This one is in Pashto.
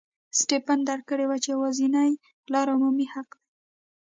سټېفن درک کړې وه چې یوازینۍ لار عمومي حق دی.